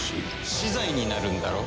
死罪になるんだろう？